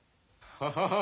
ハハハハ。